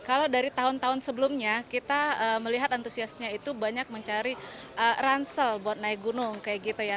kalau dari tahun tahun sebelumnya kita melihat antusiasnya itu banyak mencari ransel buat naik gunung kayak gitu ya